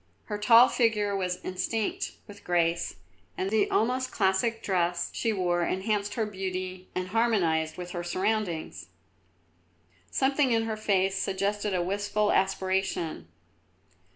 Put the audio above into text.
Her tall figure was instinct with grace, and the almost classic dress she wore enhanced her beauty and harmonised with her surroundings. Something in her face suggested a wistful aspiration.